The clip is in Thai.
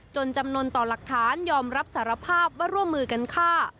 จำนวนต่อหลักฐานยอมรับสารภาพว่าร่วมมือกันฆ่า